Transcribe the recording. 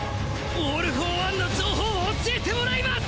オール・フォー・ワンの情報教えてもらいます！